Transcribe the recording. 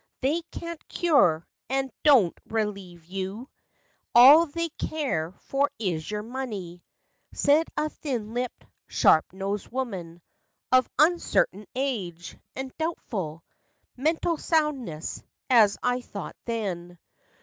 They can't cure, and do n't relieve you ! All they care for is your money," Said a thin lipped, sharp nosed woman Of uncertain age, and doubtful Mental soundness—as I thought then.